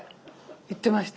言ってました。